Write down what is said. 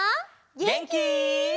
げんき？